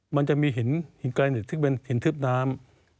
มันจะมีหินกลายเหนือที่เป็นหินทึบน้ำ